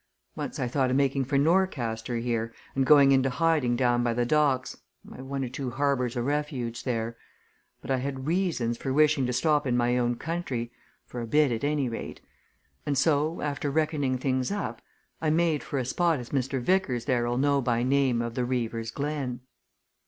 Once I thought of making for Norcaster here, and going into hiding down by the docks I've one or two harbours o' refuge there. But I had reasons for wishing to stop in my own country for a bit at any rate. And so, after reckoning things up, I made for a spot as Mr. Vickers there'll know by name of the Reaver's Glen."